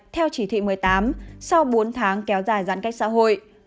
theo chỉ thị một mươi tám sau bốn tháng kéo dài giãn cách xã hội